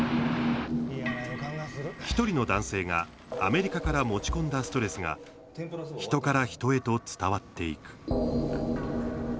１人の男性が、アメリカから持ち込んだストレスが人から人へと伝わっていく。